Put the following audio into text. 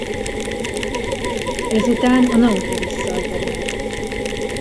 Ezután a Nautilus-szal zenélt.